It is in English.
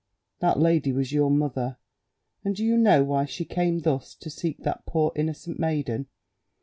That lady was your mother; and do you know why she came thus to seek that poor innocent maiden?